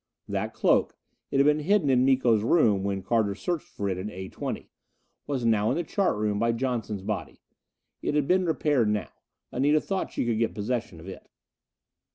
That cloak it had been hidden in Miko's room when Carter searched for it in A20 was now in the chart room by Johnson's body. It had been repaired now; Anita thought she could get possession of it.